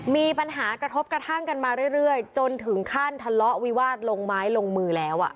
มีปัญหากระทบกระทั่งกันมาเรื่อยจนถึงขั้นทะเลาะวิวาสลงไม้ลงมือแล้ว